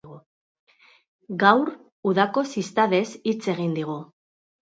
Gaur, udako ziztadez hitz egin digu.